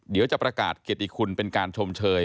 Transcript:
เดี๋ยวจะประกาศเกียรติคุณเป็นการชมเชย